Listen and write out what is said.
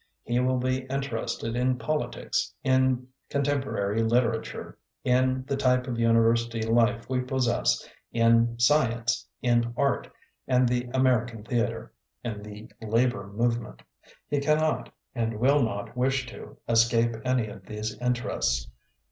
He will be in terested in politics, in contemporary literature, in the type of university life we possess, in science, in art and the American theatre, in the labor move ment. He cannot, and will not wish to, escape any of these interests.